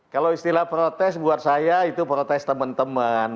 kalau istilah protes buat saya itu protes teman teman